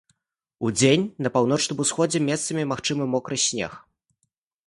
Удзень на паўночным усходзе месцамі магчымы мокры снег.